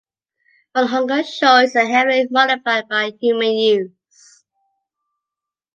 Onehunga's shore is heavily modified by human use.